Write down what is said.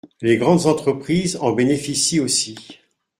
Les grandes entreprises en bénéficient aussi.